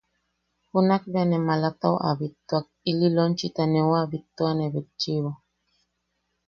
Junak bea ne malatau a bittuak ili lonchita neu a bittuane betchiʼibo.